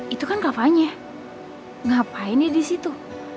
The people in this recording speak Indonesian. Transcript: itu kan kevanya ngapain ya di situ